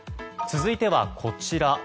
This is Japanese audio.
続いては、こちら。